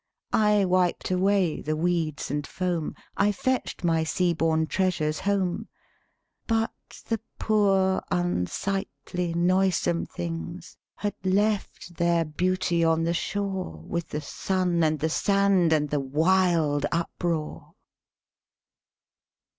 I wiped away the weeds and foam, I fetched my sea born treasures home; But the poor, unsightly, noisome things Had left their beauty on the shore With the sun and the sand and the wild up roar.